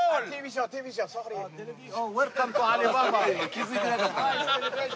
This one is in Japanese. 気づいてなかった。